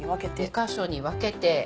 ２か所に分けて。